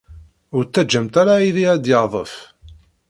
Ur ttaǧǧamt ara aydi ad d-yadef.